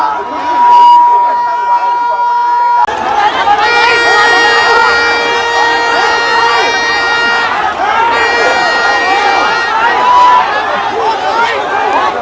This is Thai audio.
สวัสดีครับ